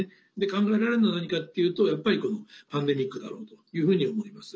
考えられるのは何かっていうとやっぱり、パンデミックだろうというふうに思います。